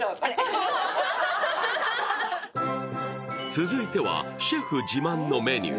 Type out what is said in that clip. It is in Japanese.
続いてはシェフ自慢のメニュー。